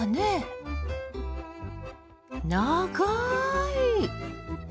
長い！